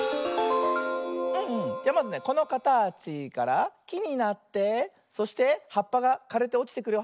じゃまずねこのかたちからきになってそしてはっぱがかれておちてくるよ。